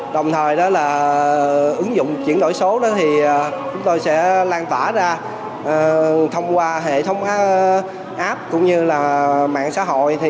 đồng thời đó là ứng dụng chuyển đổi số đó thì chúng tôi sẽ lan tỏa ra thông qua hệ thống app cũng như là mạng xã hội